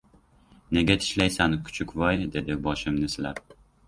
— Nega tishlaysan, kuchukvoy? — dedi boshimni silab.